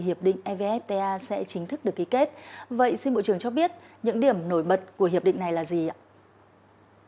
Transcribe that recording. hiệp định evfta sẽ chính thức được ký kết vậy xin bộ trưởng cho biết những điểm nổi bật của hiệp định này là gì ạ